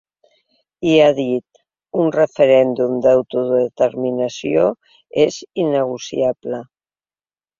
I ha dit: Un referèndum d’autodeterminació és innegociable.